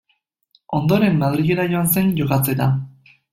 Ondoren, Madrilera joan zen jokatzera.